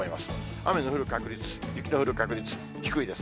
雨の降る確率、雪の降る確率、低いです。